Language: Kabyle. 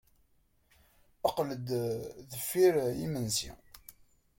Qqel-d deffir yimensi.